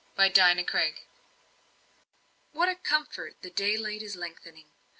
CHAPTER XXVI "What a comfort! the day light is lengthening.